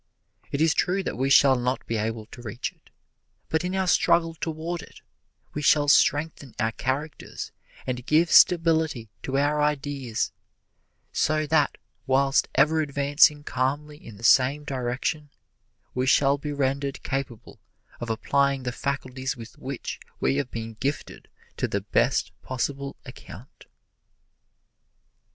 It is true that we shall not be able to reach it, but in our struggle toward it we shall strengthen our characters and give stability to our ideas, so that, whilst ever advancing calmly in the same direction, we shall be rendered capable of applying the faculties with which we have been gifted to the best possible account.